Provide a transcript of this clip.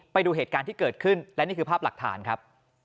ไปดูเหตุการณ์ที่เกิดขึ้นและนี่คือภาพหลักฐานครับ